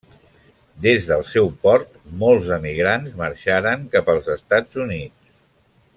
Des del seu port morts emigrants marxaren cap als Estats Units.